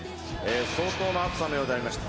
相当な暑さのようでありました。